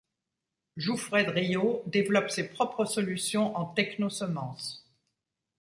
Jouffray-Drillaud développe ses propes solutions en techno-semence.